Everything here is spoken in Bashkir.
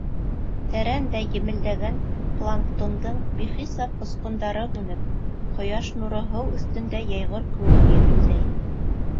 Тәрәндә емелдәгән планктондың бихисап осҡондары һүнеп, ҡояш нуры һыу өҫтөндә йәйғор кеүек емелдәй.